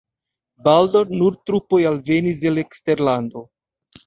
Baldaŭ nur trupoj alvenis el eksterlando.